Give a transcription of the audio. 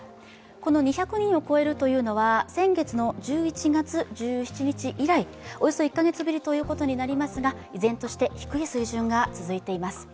この２００人を超えるのは、先月の１１月１７日以来、およそ１カ月ぶりということになりますが、依然として低い水準が続いています。